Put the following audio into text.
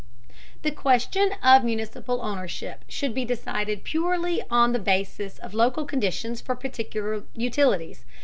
The question of municipal ownership should be decided purely on the basis of local conditions and for particular utilities.